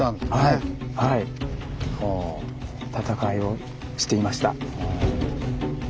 戦いをしていました。